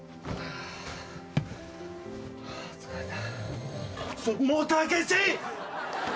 あ疲れた。